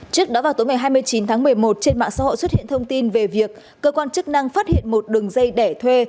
trước đó vào tối ngày hai mươi chín tháng một mươi một trên mạng xã hội xuất hiện thông tin về việc cơ quan chức năng phát hiện một đường dây đẻ thuê